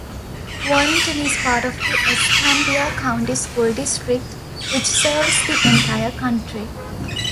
Warrington is part of the Escambia County School District, which serves the entire county.